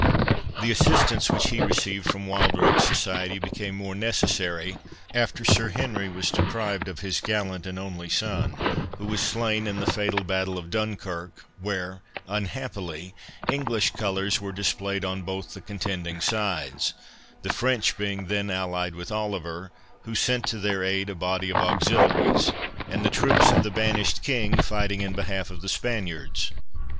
The assistance which he received from Wildrake's society became more necessary, after Sir Henry was deprived of his gallant and only son, who was slain in the fatal battle of Dunkirk, where, unhappily, English colours were displayed on both the contending sides, the French being then allied with Oliver, who sent to their aid a body of auxiliaries, and the troops of the banished King fighting in behalf of the Spaniards.